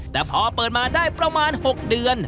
แต่พอเปิดมาได้ประมาณ๖เดือน